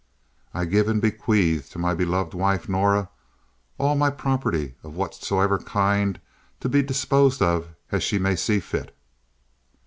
"I give and bequeath to my beloved wife, Norah, all my property of whatsoever kind to be disposed of as she may see fit."